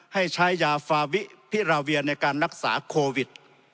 ให้ใช้ยาฟาวิพิราเวียในการรักษาโควิด